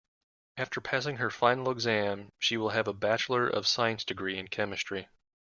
After passing her final exam she will have a bachelor of science degree in chemistry.